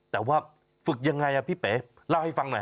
แต่ว่าฝึกยังไงพี่เป๋เล่าให้ฟังหน่อย